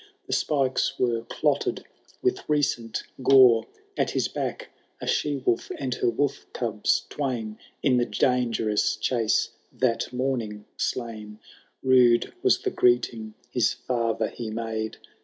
The spikes wero clotted with recent goro ; At his back a she wolf, and her wolf cubs twain. In the dangerous chase that morning slain. Rude was the greeting his father he made.